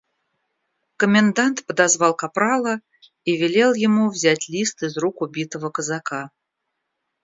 Комендант подозвал капрала и велел ему взять лист из рук убитого казака.